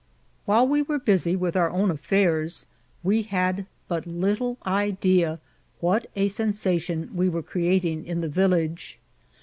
While we were busy with oar own affiors, we had but little idea what a sensation we were creating in the vil lage.